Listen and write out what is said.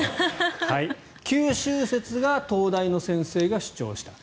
九州説が東大の先生が主張した。